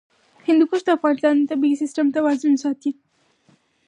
هندوکش د افغانستان د طبعي سیسټم توازن ساتي.